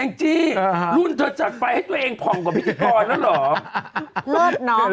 แอ้งจีรุ่นเธอจัดไฟให้ตัวเองผ่องกว่าพี่จิตอร์แล้วเหรอ